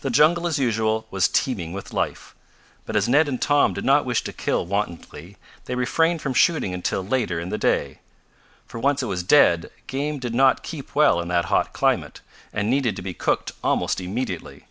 The jungle, as usual, was teeming with life, but as Ned and Tom did not wish to kill wantonly they refrained from shooting until later in the day. For once it was dead, game did not keep well in that hot climate, and needed to be cooked almost immediately.